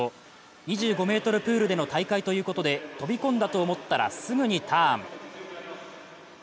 ２５ｍプールでの大会ということで飛び込んだと思ったらすぐにターン。